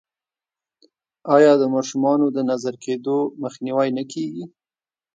آیا د ماشومانو د نظر کیدو مخنیوی نه کیږي؟